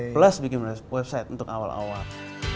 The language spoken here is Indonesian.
plus bikin website untuk awal awal